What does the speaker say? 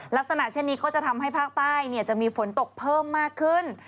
ลักษณะเช่นนี้ก็จะทำให้ภาคใต้จะมีฝนตกเพิ่มมากขึ้น